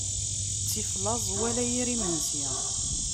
Ttif laẓ wala yir imensi.